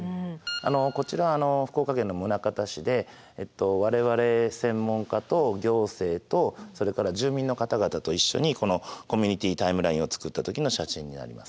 あのこちらは福岡県の宗像市で我々専門家と行政とそれから住民の方々と一緒にこのコミュニティー・タイムラインを作った時の写真になります。